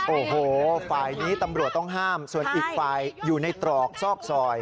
โอ้โหฝ่ายนี้ตำรวจต้องห้ามส่วนอีกฝ่ายอยู่ในตรอกซอกซอย